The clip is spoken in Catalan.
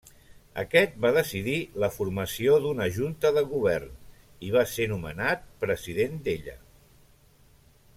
Aquest va decidir la formació d'una Junta de Govern, i va ser nomenat president d'ella.